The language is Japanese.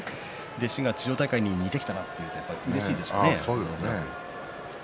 弟子が千代大海に似てきたと言われるとうれしいでしょう？